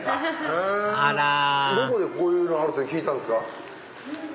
あらどこでこういうのあるって聞いたんですか？